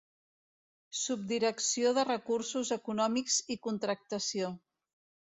Subdirecció de Recursos Econòmics i Contractació.